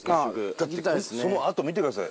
そのあと見てください。